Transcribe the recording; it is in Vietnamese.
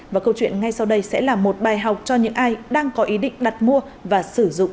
và câu chuyện ngay sau đây sẽ là một bài học cho những ai đang có ý định đặt mua và sử dụng giấy tờ giả